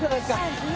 はい。